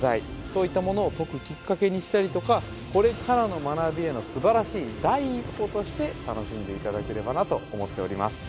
そういったものを解くきっかけにしたりとかこれからの学びへのすばらしい第一歩として楽しんでいただければなと思っております